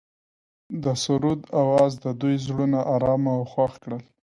د سرود اواز د دوی زړونه ارامه او خوښ کړل.